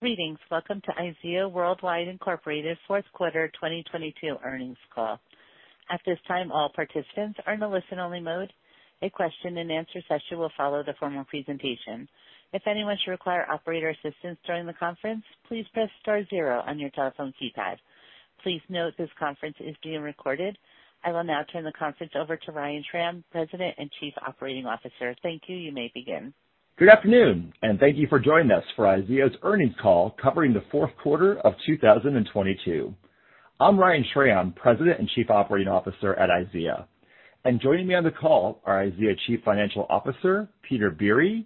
Greetings. Welcome to IZEA Worldwide, Inc. Fourth Quarter 2022 Earnings Call. At this time, all participants are in a listen-only mode. A question-and-answer session will follow the formal presentation. If anyone should require operator assistance during the conference, please press star zero on your telephone keypad. Please note this conference is being recorded. I will now turn the conference over to Ryan Schram, President and Chief Operating Officer. Thank you. You may begin. Good afternoon, and thank you for joining us for IZEA's earnings call covering the fourth quarter of 2022. I'm Ryan Schram, President and Chief Operating Officer at IZEA. Joining me on the call are IZEA Chief Financial Officer, Peter Biere,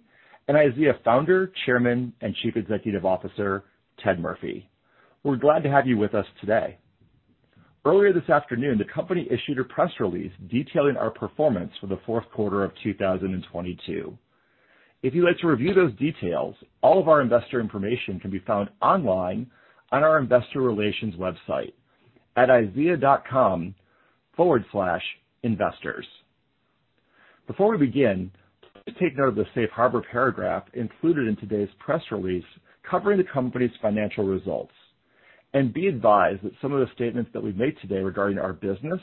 and IZEA Founder, Chairman, and Chief Executive Officer, Ted Murphy. We're glad to have you with us today. Earlier this afternoon, the company issued a press release detailing our performance for the fourth quarter of 2022. If you'd like to review those details, all of our investor information can be found online on our investor relations website at IZEA.com/investors. Before we begin, please take note of the Safe Harbor paragraph included in today's press release covering the company's financial results, and be advised that some of the statements that we make today regarding our business,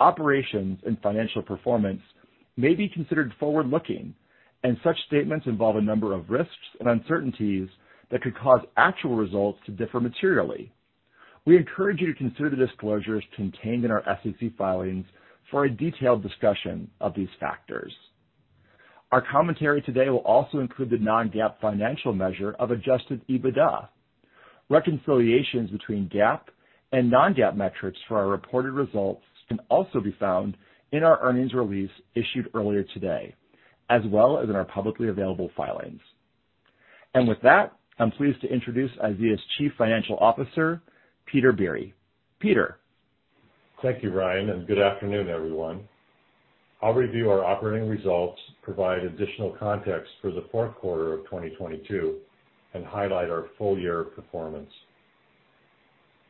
operations, and financial performance may be considered forward-looking, and such statements involve a number of risks and uncertainties that could cause actual results to differ materially. We encourage you to consider the disclosures contained in our SEC filings for a detailed discussion of these factors. Our commentary today will also include the non-GAAP financial measure of adjusted EBITDA. Reconciliations between GAAP and non-GAAP metrics for our reported results can also be found in our earnings release issued earlier today, as well as in our publicly available filings. With that, I'm pleased to introduce IZEA's Chief Financial Officer, Peter Biere. Peter. Thank you, Ryan, and good afternoon, everyone. I'll review our operating results, provide additional context for the fourth quarter of 2022, and highlight our full year performance.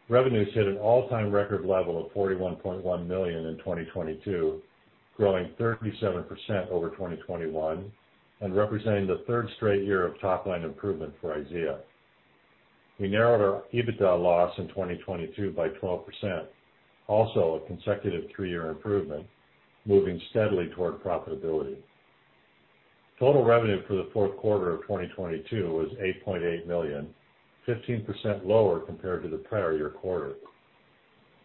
Revenues hit an all-time record level of $41.1 million in 2022, growing 37% over 2021 and representing the third straight year of top line improvement for IZEA. We narrowed our EBITDA loss in 2022 by 12%, also a consecutive three-year improvement, moving steadily toward profitability. Total revenue for the fourth quarter of 2022 was $8.8 million, 15% lower compared to the prior year quarter.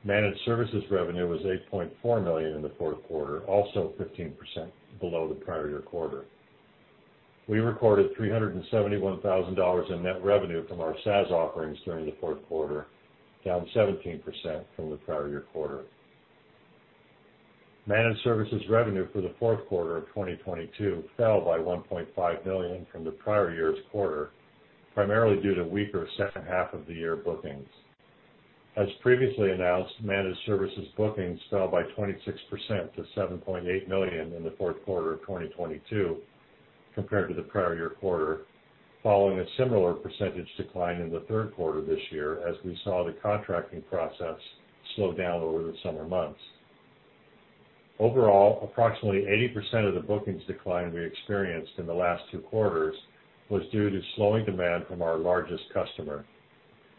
Managed services revenue was $8.4 million in the fourth quarter, also 15% below the prior year quarter. We recorded $371,000 in net revenue from our SaaS offerings during the fourth quarter, down 17% from the prior year quarter. Managed services revenue for the fourth quarter of 2022 fell by $1.5 million from the prior year's quarter, primarily due to weaker second half of the year bookings. As previously announced, managed services bookings fell by 26% to $7.8 million in the fourth quarter of 2022 compared to the prior year quarter, following a similar percentage decline in the third quarter this year as we saw the contracting process slow down over the summer months. Overall, approximately 80% of the bookings decline we experienced in the last 2 quarters was due to slowing demand from our largest customer.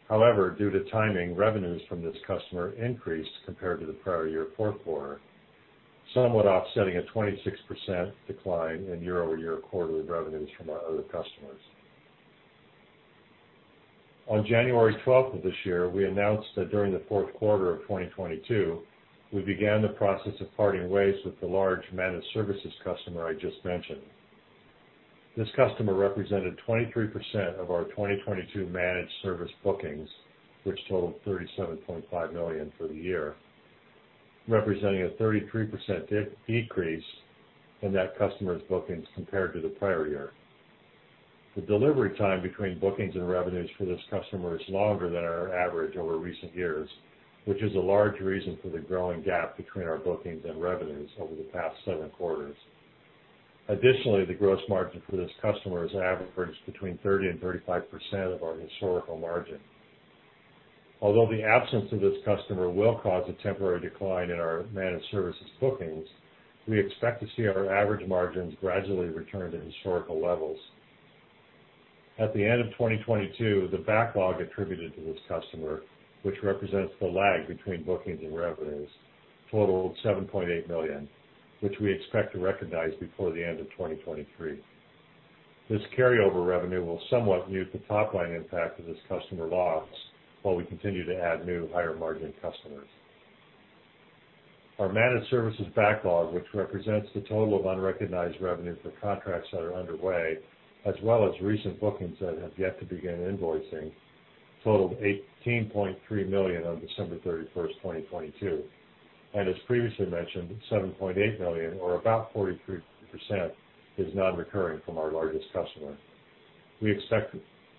Due to timing, revenues from this customer increased compared to the prior year fourth quarter, somewhat offsetting a 26% decline in year-over-year quarterly revenues from our other customers. On January 12 of this year, we announced that during the fourth quarter of 2022, we began the process of parting ways with the large managed services customer I just mentioned. This customer represented 23% of our 2022 managed service bookings, which totaled $37.5 million for the year, representing a 33% decrease in that customer's bookings compared to the prior year. The delivery time between bookings and revenues for this customer is longer than our average over recent years, which is a large reason for the growing gap between our bookings and revenues over the past seven quarters. Additionally, the gross margin for this customer is an average between 30% and 35% of our historical margin. Although the absence of this customer will cause a temporary decline in our managed services bookings, we expect to see our average margins gradually return to historical levels. At the end of 2022, the backlog attributed to this customer, which represents the lag between bookings and revenues, totaled $7.8 million, which we expect to recognize before the end of 2023. This carryover revenue will somewhat mute the top line impact of this customer loss while we continue to add new higher margin customers. Our managed services backlog, which represents the total of unrecognized revenue for contracts that are underway, as well as recent bookings that have yet to begin invoicing, totaled $18.3 million on December 31st, 2022. As previously mentioned, $7.8 million or about 43% is non-recurring from our largest customer. We expect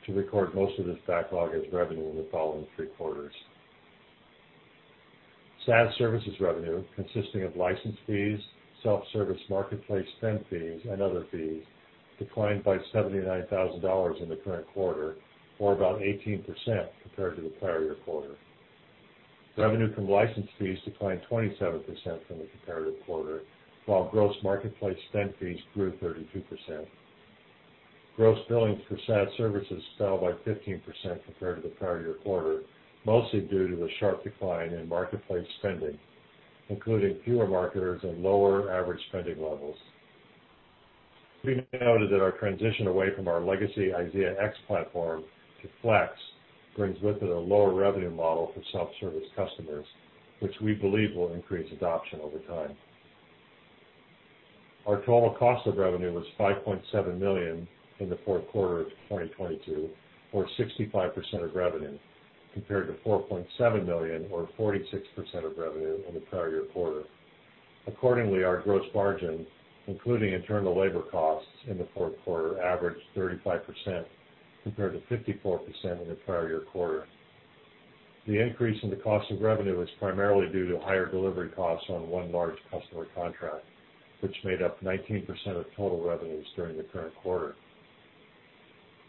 to record most of this backlog as revenue in the following three quarters. SaaS services revenue, consisting of license fees, self-service marketplace spend fees, and other fees, declined by $79,000 in the current quarter or about 18% compared to the prior year quarter. Revenue from license fees declined 27% from the comparative quarter, while gross marketplace spend fees grew 32%. Gross billings for SaaS services fell by 15% compared to the prior year quarter, mostly due to the sharp decline in marketplace spending, including fewer marketers and lower average spending levels. We noted that our transition away from our legacy IZEAx platform to Flex brings with it a lower revenue model for self-service customers, which we believe will increase adoption over time. Our total cost of revenue was $5.7 million in the fourth quarter of 2022, or 65% of revenue, compared to $4.7 million or 46% of revenue in the prior year quarter. Our gross margin, including internal labor costs in the fourth quarter, averaged 35% compared to 54% in the prior year quarter. The increase in the cost of revenue was primarily due to higher delivery costs on one large customer contract, which made up 19% of total revenues during the current quarter.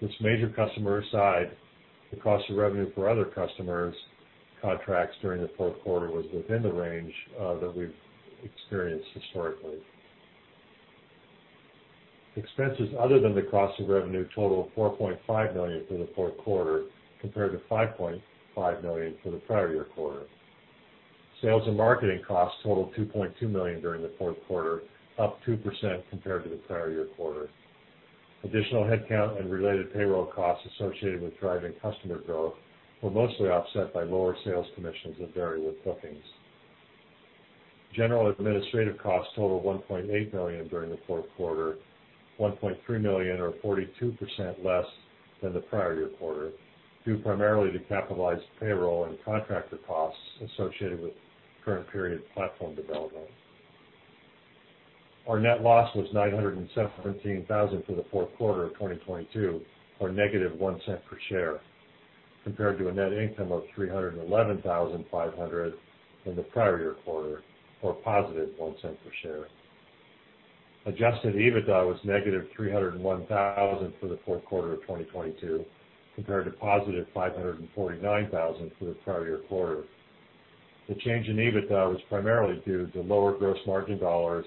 This major customer aside, the cost of revenue for other customers contracts during the fourth quarter was within the range that we've experienced historically. Expenses other than the cost of revenue totaled $4.5 million for the fourth quarter, compared to $5.5 million for the prior year quarter. Sales and marketing costs totaled $2.2 million during the fourth quarter, up 2% compared to the prior year quarter. Additional headcount and related payroll costs associated with driving customer growth were mostly offset by lower sales commissions that vary with bookings. General administrative costs totaled $1.8 million during the fourth quarter, $1.3 million or 42% less than the prior year quarter, due primarily to capitalized payroll and contractor costs associated with current period platform development. Our net loss was $917,000 for the fourth quarter of 2022, or -$0.01 per share, compared to a net income of $311,500 in the prior year quarter, or +$0.01 per share. Adjusted EBITDA was -$301,000 for the fourth quarter of 2022, compared to +$549,000 for the prior year quarter. The change in EBITDA was primarily due to lower gross margin dollars,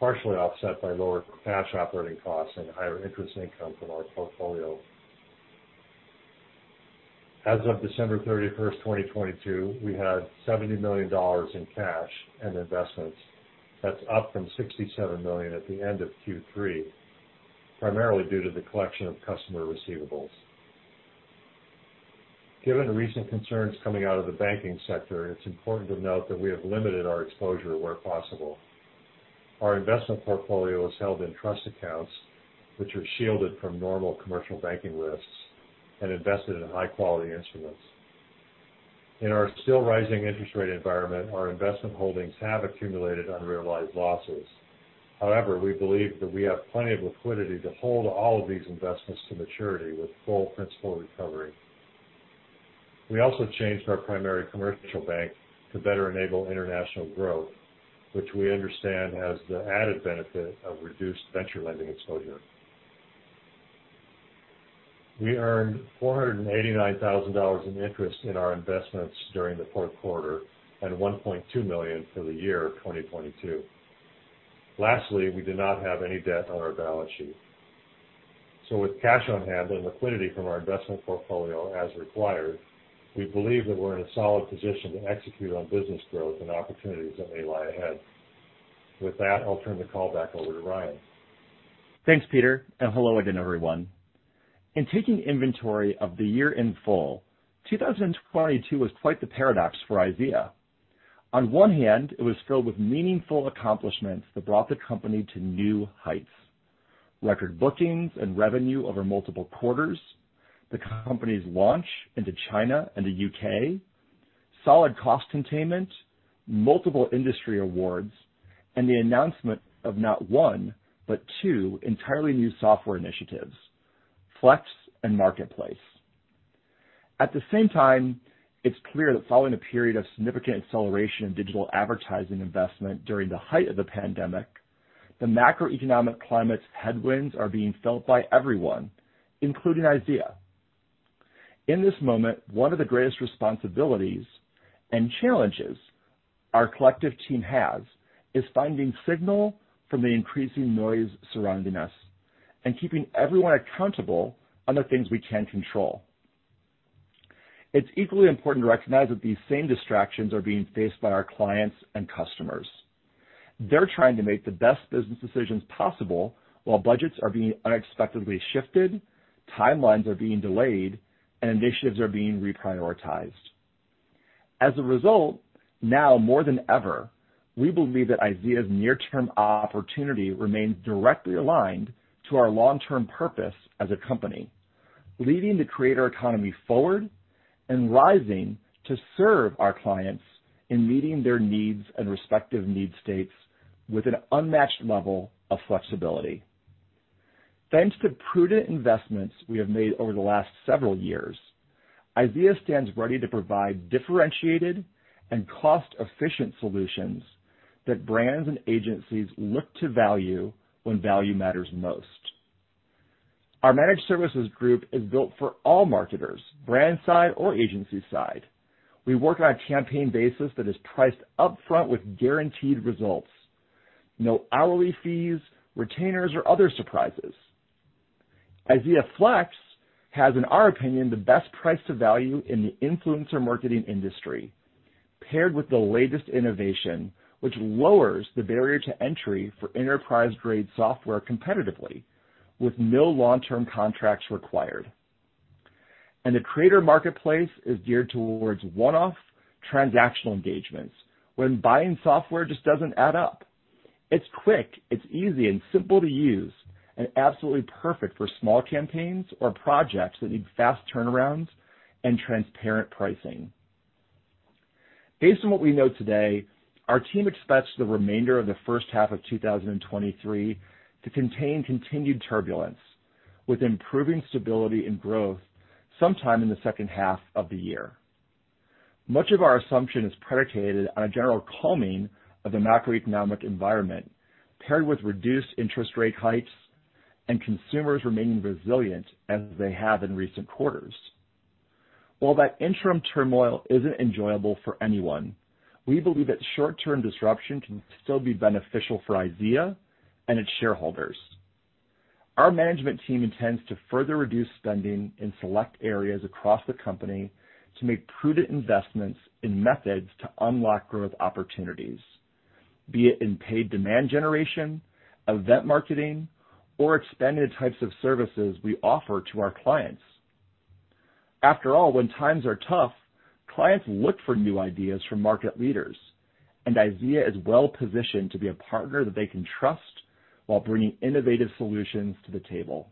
partially offset by lower cash operating costs and higher interest income from our portfolio. As of December 31st, 2022, we had $70 million in cash and investments. That's up from $67 million at the end of Q3, primarily due to the collection of customer receivables. Given the recent concerns coming out of the banking sector, it's important to note that we have limited our exposure where possible. Our investment portfolio is held in trust accounts which are shielded from normal commercial banking risks and invested in high-quality instruments. In our still rising interest rate environment, our investment holdings have accumulated unrealized losses. We believe that we have plenty of liquidity to hold all of these investments to maturity with full principal recovery. We also changed our primary commercial bank to better enable international growth, which we understand has the added benefit of reduced venture lending exposure. We earned $489,000 in interest in our investments during the fourth quarter and $1.2 million for the year 2022. Lastly, we did not have any debt on our balance sheet. With cash on hand and liquidity from our investment portfolio as required, we believe that we're in a solid position to execute on business growth and opportunities that may lie ahead. With that, I'll turn the call back over to Ryan. Thanks, Peter. Hello again, everyone. In taking inventory of the year in full, 2022 was quite the paradox for IZEA. On one hand, it was filled with meaningful accomplishments that brought the company to new heights, record bookings and revenue over multiple quarters, the company's launch into China and the U.K., solid cost containment, multiple industry awards, and the announcement of not one, but two entirely new software initiatives, Flex and Marketplace. At the same time, it's clear that following a period of significant acceleration in digital advertising investment during the height of the pandemic, the macroeconomic climate's headwinds are being felt by everyone, including IZEA. In this moment, one of the greatest responsibilities and challenges our collective team has is finding signal from the increasing noise surrounding us and keeping everyone accountable on the things we can control. It's equally important to recognize that these same distractions are being faced by our clients and customers. They're trying to make the best business decisions possible while budgets are being unexpectedly shifted, timelines are being delayed, and initiatives are being reprioritized. As a result, now more than ever, we believe that IZEA's near-term opportunity remains directly aligned to our long-term purpose as a company, leading the creator economy forward and rising to serve our clients in meeting their needs and respective need states with an unmatched level of flexibility. Thanks to prudent investments we have made over the last several years, IZEA stands ready to provide differentiated and cost-efficient solutions that brands and agencies look to value when value matters most. Our managed services group is built for all marketers, brand side or agency side. We work on a campaign basis that is priced upfront with guaranteed results. No hourly fees, retainers, or other surprises. IZEA Flex has, in our opinion, the best price to value in the influencer marketing industry, paired with the latest innovation, which lowers the barrier to entry for enterprise-grade software competitively with no long-term contracts required. The Creator Marketplace is geared towards one-off transactional engagements when buying software just doesn't add up. It's quick, it's easy and simple to use, and absolutely perfect for small campaigns or projects that need fast turnarounds and transparent pricing. Based on what we know today, our team expects the remainder of the first half of 2023 to contain continued turbulence, with improving stability and growth sometime in the second half of the year. Much of our assumption is predicated on a general calming of the macroeconomic environment, paired with reduced interest rate hikes and consumers remaining resilient as they have in recent quarters. While that interim turmoil isn't enjoyable for anyone, we believe that short-term disruption can still be beneficial for IZEA and its shareholders. Our management team intends to further reduce spending in select areas across the company to make prudent investments in methods to unlock growth opportunities, be it in paid demand generation, event marketing, or expanded types of services we offer to our clients. After all, when times are tough, clients look for new ideas from market leaders, and IZEA is well-positioned to be a partner that they can trust while bringing innovative solutions to the table.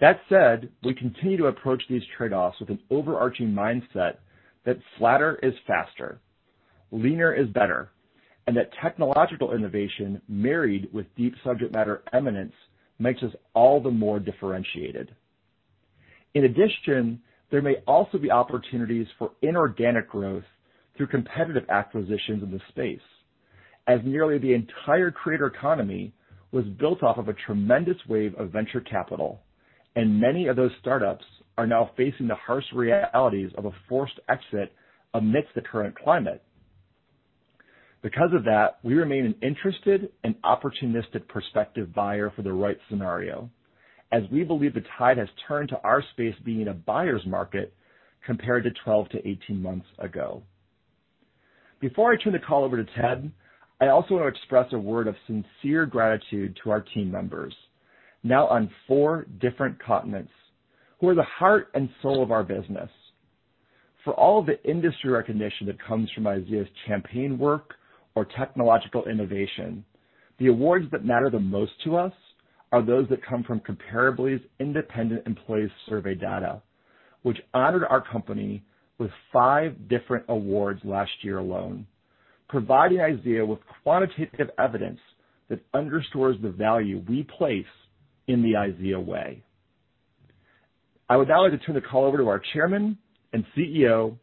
That said, we continue to approach these trade-offs with an overarching mindset that flatter is faster, leaner is better, and that technological innovation married with deep subject matter eminence makes us all the more differentiated. In addition, there may also be opportunities for inorganic growth through competitive acquisitions in this space, as nearly the entire creator economy was built off of a tremendous wave of venture capital, and many of those startups are now facing the harsh realities of a forced exit amidst the current climate. Because of that, we remain an interested and opportunistic prospective buyer for the right scenario, as we believe the tide has turned to our space being a buyer's market compared to 12–18 months ago. Before I turn the call over to Ted, I also want to express a word of sincere gratitude to our team members, now on four different continents, who are the heart and soul of our business. For all the industry recognition that comes from IZEA's campaign work or technological innovation, the awards that matter the most to us are those that come from Comparably's independent employee survey data, which honored our company with five different awards last year alone, providing IZEA with quantitative evidence that underscores the value we place in the IZEA Way. I would now like to turn the call over to our Chairman and CEO,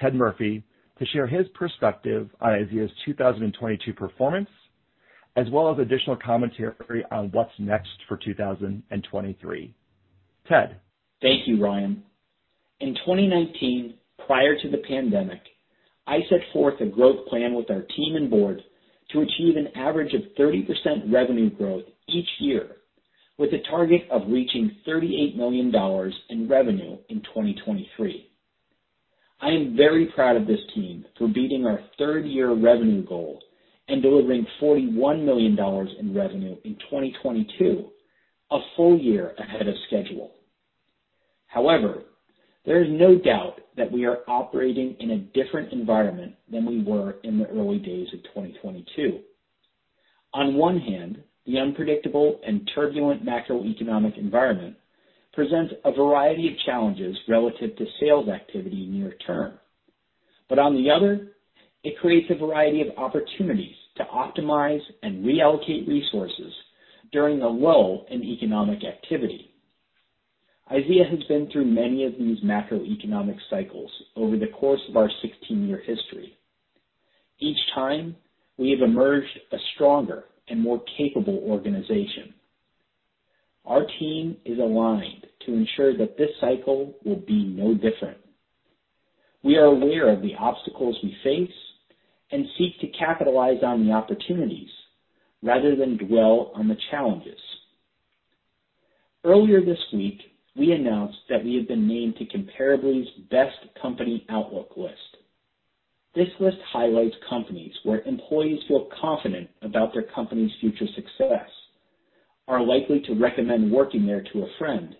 Ted Murphy, to share his perspective on IZEA's 2022 performance, as well as additional commentary on what's next for 2023. Ted? Thank you, Ryan. In 2019, prior to the pandemic, I set forth a growth plan with our team and board to achieve an average of 30% revenue growth each year, with a target of reaching $38 million in revenue in 2023. I am very proud of this team for beating our third year revenue goal and delivering $41 million in revenue in 2022, a full year ahead of schedule. However, there is no doubt that we are operating in a different environment than we were in the early days of 2022. On one hand, the unpredictable and turbulent macroeconomic environment presents a variety of challenges relative to sales activity near term. On the other, it creates a variety of opportunities to optimize and reallocate resources during a lull in economic activity. IZEA has been through many of these macroeconomic cycles over the course of our 16-year history. Each time, we have emerged a stronger and more capable organization. Our team is aligned to ensure that this cycle will be no different. We are aware of the obstacles we face and seek to capitalize on the opportunities rather than dwell on the challenges. Earlier this week, we announced that we have been named to Comparably's Best Company Outlook list. This list highlights companies where employees feel confident about their company's future success, are likely to recommend working there to a friend,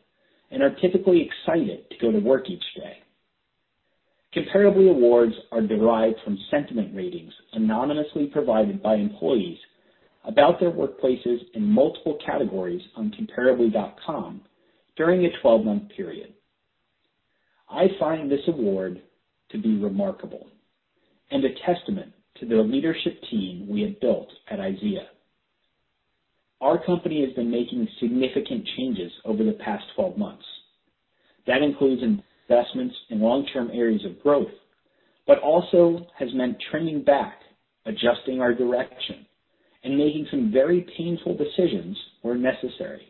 and are typically excited to go to work each day. Comparably awards are derived from sentiment ratings anonymously provided by employees about their workplaces in multiple categories on comparably.com during a 12-month period. I find this award to be remarkable and a testament to the leadership team we have built at IZEA. Our company has been making significant changes over the past 12 months. That includes investments in long-term areas of growth, also has meant trimming back, adjusting our direction, and making some very painful decisions where necessary.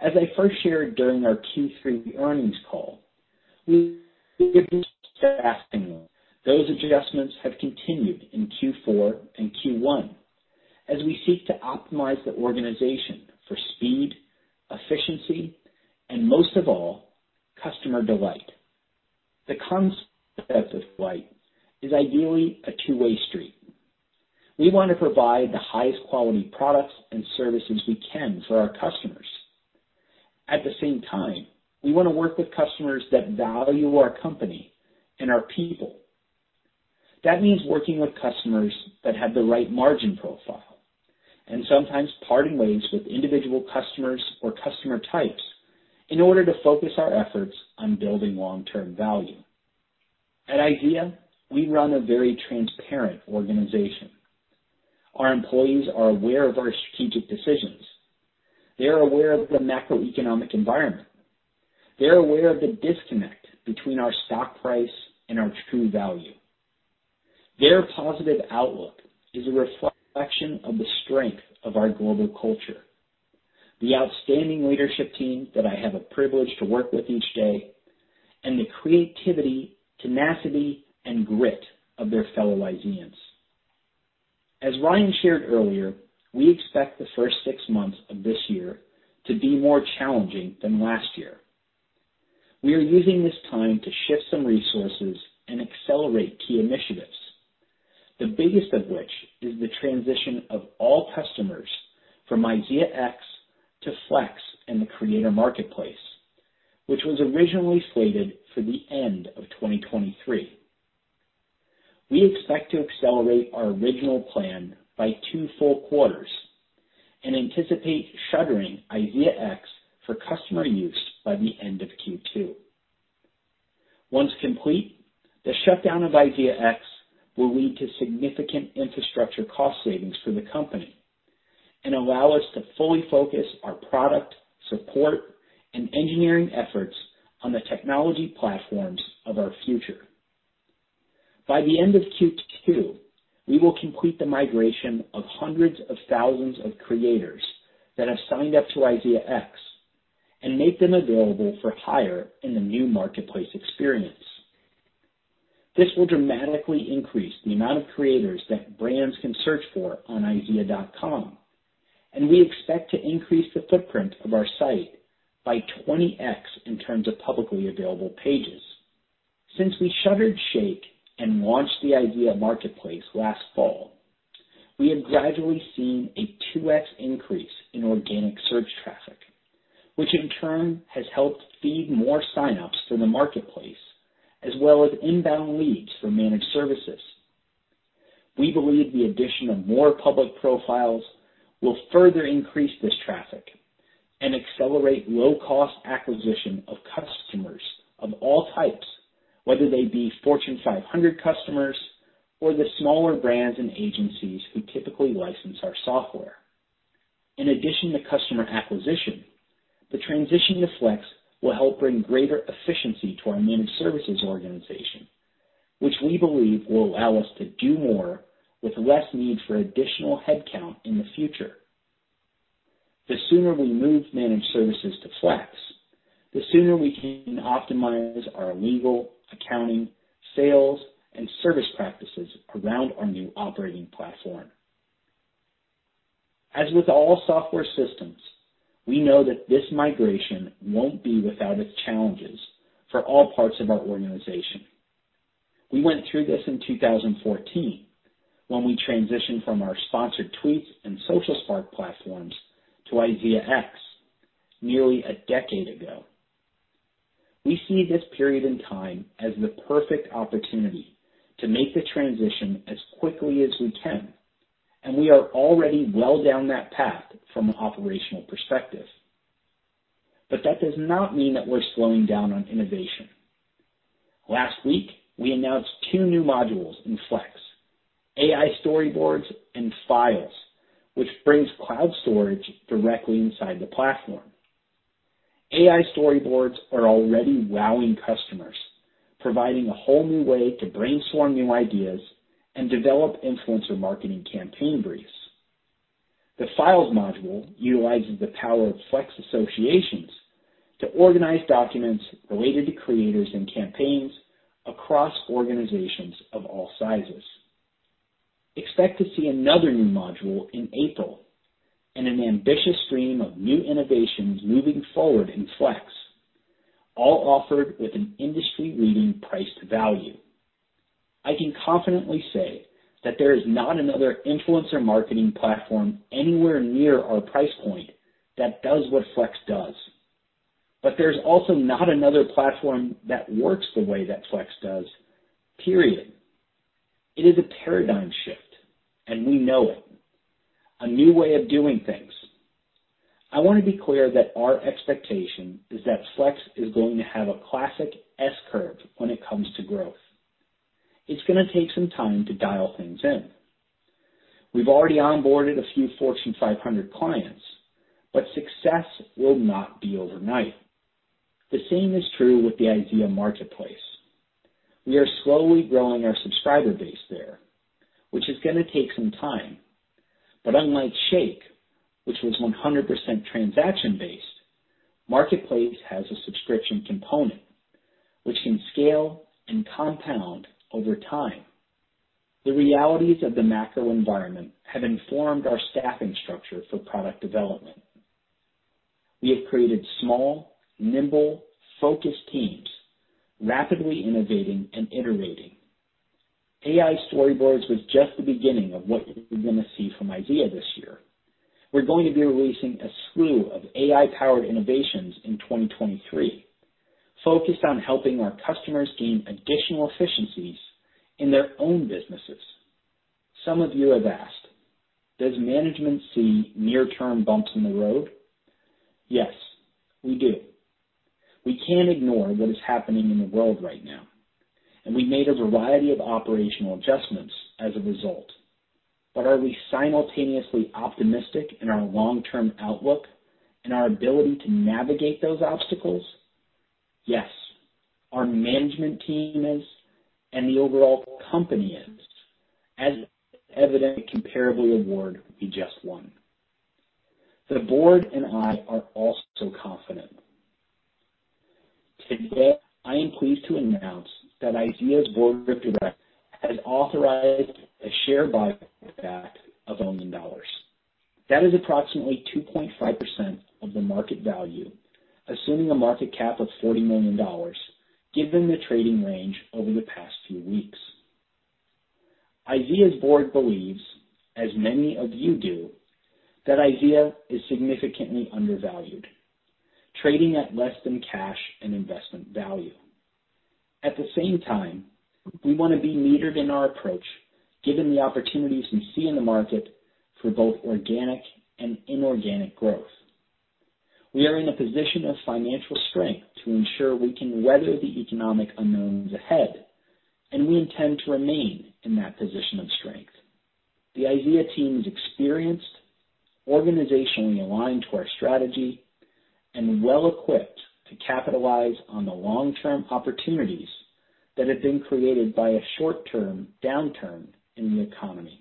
As I first shared during our Q3 earnings call, [inaudible] those adjustments have continued in Q4 and Q1 as we seek to optimize the organization for speed, efficiency, and most of all, customer delight. The concept of delight is ideally a two-way street. We want to provide the highest quality products and services we can for our customers. At the same time, we want to work with customers that value our company and our people. That means working with customers that have the right margin profile and sometimes parting ways with individual customers or customer types in order to focus our efforts on building long-term value. At IZEA, we run a very transparent organization. Our employees are aware of our strategic decisions. They are aware of the macroeconomic environment. They're aware of the disconnect between our stock price and our true value. Their positive outlook is a reflection of the strength of our global culture, the outstanding leadership team that I have a privilege to work with each day, and the creativity, tenacity, and grit of their fellow IZEAns. As Ryan shared earlier, we expect the first six months of this year to be more challenging than last year. We are using this time to shift some resources and accelerate key initiatives, the biggest of which is the transition of all customers from IZEAx to Flex and the Creator Marketplace, which was originally slated for the end of 2023. We expect to accelerate our original plan by two full quarters and anticipate shuttering IZEAx for customer use by the end of Q2. Once complete, the shutdown of IZEAx will lead to significant infrastructure cost savings for the company and allow us to fully focus our product, support, and engineering efforts on the technology platforms of our future. By the end of Q2, we will complete the migration of hundreds of thousands of creators that have signed up to IZEAx and make them available for hire in the new marketplace experience. This will dramatically increase the amount of creators that brands can search for on IZEA.com, and we expect to increase the footprint of our site by 20x in terms of publicly available pages. Since we shuttered Shake and launched the IZEA Marketplace last fall, we have gradually seen a 2x increase in organic search traffic, which in turn has helped feed more sign-ups for the Marketplace, as well as inbound leads for managed services. We believe the addition of more public profiles will further increase this traffic and accelerate low-cost acquisition of customers of all types, whether they be Fortune 500 customers or the smaller brands and agencies who typically license our software. In addition to customer acquisition, the transition to Flex will help bring greater efficiency to our managed services organization, which we believe will allow us to do more with less need for additional headcount in the future. The sooner we move managed services to Flex, the sooner we can optimize our legal, accounting, sales, and service practices around our new operating platform. As with all software systems, we know that this migration won't be without its challenges for all parts of our organization. We went through this in 2014 when we transitioned from our Sponsored Tweets and SocialSpark platforms to IZEAx nearly a decade ago. We see this period in time as the perfect opportunity to make the transition as quickly as we can, and we are already well down that path from an operational perspective. That does not mean that we're slowing down on innovation. Last week, we announced two new modules in Flex, A.I. Storyboards and Files, which brings cloud storage directly inside the platform. A.I. Storyboards are already wowing customers, providing a whole new way to brainstorm new ideas and develop influencer marketing campaign briefs. The Files module utilizes the power of Flex associations to organize documents related to creators and campaigns across organizations of all sizes. Expect to see another new module in April and an ambitious stream of new innovations moving forward in Flex, all offered with an industry-leading price to value. I can confidently say that there is not another influencer marketing platform anywhere near our price point that does what Flex does. There's also not another platform that works the way that Flex does, period. It is a paradigm shift, and we know it. A new way of doing things.I want to be clear that our expectation is that IZEA Flex is going to have a classic S-curve when it comes to growth. It's gonna take some time to dial things in. We've already onboarded a few Fortune 500 clients, but success will not be overnight. The same is true with the IZEA Marketplace. We are slowly growing our subscriber base there, which is gonna take some time. Unlike Shake, which was 100% transaction based, Marketplace has a subscription component which can scale and compound over time. The realities of the macro environment have informed our staffing structure for product development. We have created small, nimble, focused teams, rapidly innovating and iterating. A.I. Storyboards was just the beginning of what you're gonna see from IZEA this year. We're going to be releasing a slew of A.I.-powered innovations in 2023, focused on helping our customers gain additional efficiencies in their own businesses. Some of you have asked, "Does management see near term bumps in the road?" Yes, we do. We can't ignore what is happening in the world right now. We made a variety of operational adjustments as a result. Are we simultaneously optimistic in our long-term outlook and our ability to navigate those obstacles? Yes. Our management team is, and the overall company is, as evident the Comparably award we just won. The board and I are also confident. Today, I am pleased to announce that IZEA's Board of Directors has authorized a share buyback of $1 million dollars. That is approximately 2.5% of the market value, assuming a market cap of $40 million, given the trading range over the past few weeks. IZEA's board believes, as many of you do, that IZEA is significantly undervalued, trading at less than cash and investment value. At the same time, we wanna be metered in our approach, given the opportunities we see in the market for both organic and inorganic growth. We are in a position of financial strength to ensure we can weather the economic unknowns ahead, and we intend to remain in that position of strength. The IZEA team is experienced, organizationally aligned to our strategy, and well-equipped to capitalize on the long-term opportunities that have been created by a short-term downturn in the economy.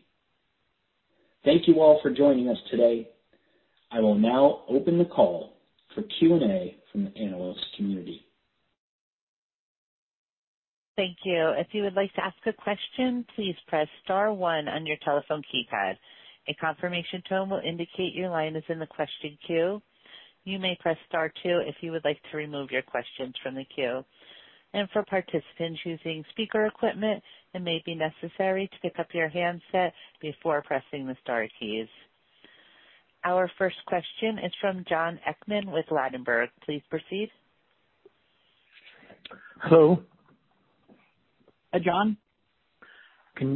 Thank you all for joining us today. I will now open the call for Q&A from the analyst community. Thank you. If you would like to ask a question, please press star one on your telephone keypad. A confirmation tone will indicate your line is in the question queue. You may press star two if you would like to remove your questions from the queue. For participants using speaker equipment, it may be necessary to pick up your handset before pressing the star keys. Our first question is from Jon Hickman with Ladenburg. Please proceed. Hello. Hi, Jon.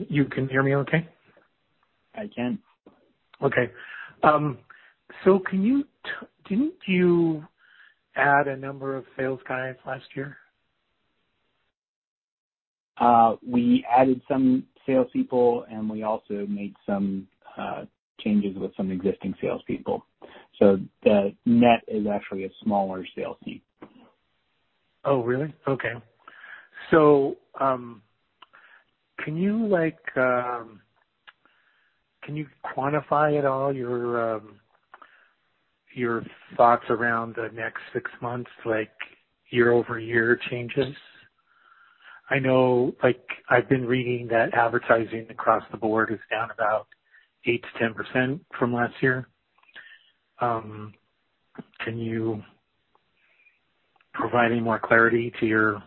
You can hear me okay? I can. Okay. can you didn't you add a number of sales guys last year? We added some salespeople, and we also made some changes with some existing salespeople. The net is actually a smaller sales team. Oh, really? Okay. Can you, like, can you quantify at all your thoughts around the next six months, like, year-over-year changes? I know, like, I've been reading that advertising across the board is down about 8%-10% from last year. Can you provide any more clarity to your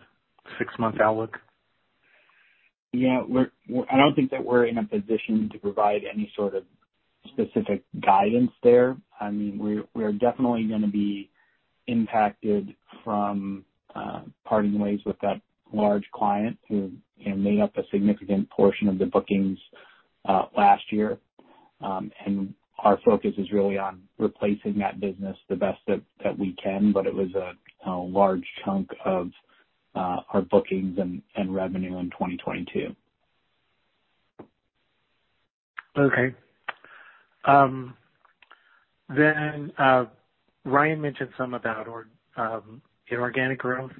six-month outlook? Yeah. We're I don't think that we're in a position to provide any sort of specific guidance there. I mean, we're definitely gonna be impacted from parting ways with that large client who, you know, made up a significant portion of the bookings last year. Our focus is really on replacing that business the best that we can, but it was a large chunk of our bookings and revenue in 2022. Okay. Ryan mentioned some about inorganic growth.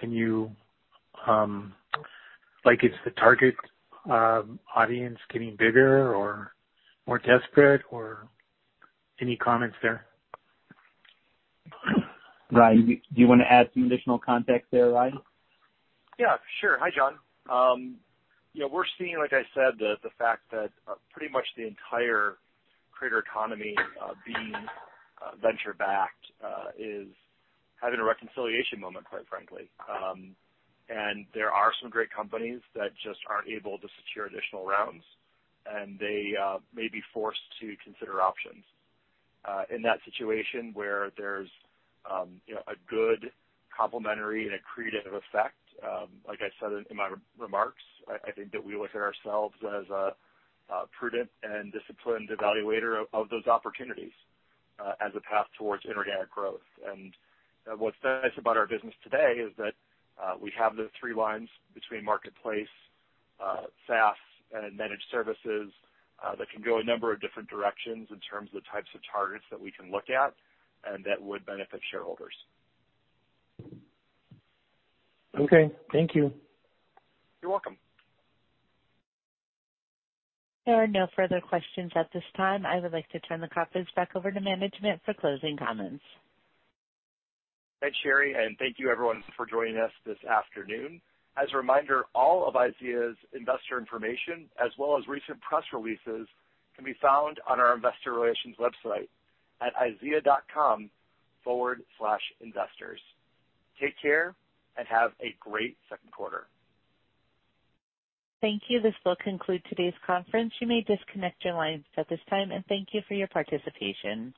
Can you—like, is the target audience getting bigger or more desperate or any comments there? Ryan, do you wanna add some additional context there, Ryan? Yeah, sure. Hi, Jon. yeah, we're seeing, like I said, the fact that pretty much the entire creator economy being venture backed is having a reconciliation moment, quite frankly. There are some great companies that just aren't able to secure additional rounds, and they may be forced to consider options. In that situation where there's, you know, a good complementary and accretive effect, like I said in my remarks, I think that we look at ourselves as a prudent and disciplined evaluator of those opportunities as a path towards inorganic growth. What's nice about our business today is that, we have the three lines between marketplace, SaaS, and managed services, that can go a number of different directions in terms of the types of targets that we can look at and that would benefit shareholders. Okay. Thank you. You're welcome. There are no further questions at this time. I would like to turn the conference back over to management for closing comments. Thanks, Sherry, and thank you everyone for joining us this afternoon. As a reminder, all of IZEA's investor information as well as recent press releases can be found on our investor relations website at IZEA.com/investors. Take care and have a great second quarter. Thank you. This will conclude today's conference. You may disconnect your lines at this time, and thank you for your participation.